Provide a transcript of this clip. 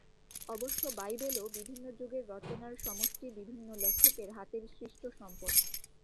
অবশ্য বাইবেলও বিভিন্ন যুগের রচনার সমষ্টি, বিভিন্ন লেখকের হাতের সৃষ্ট সম্পদ।